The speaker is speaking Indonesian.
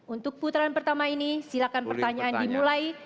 untuk putaran pertama ini silakan pertanyaan dimulai